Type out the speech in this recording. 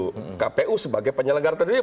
kpu sebagai penyelenggara tertinggi